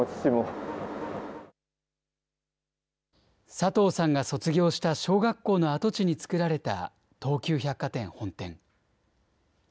佐藤さんが卒業した小学校の跡地につくられた東急百貨店本店。